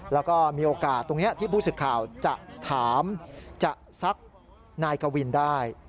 แล้วก็มีโอกาสตรงนี้ที่ผู้สื่อข่าวจะถามจะซักนายกวินได้